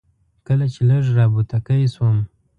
کله چې لږ را بوتکی شوم.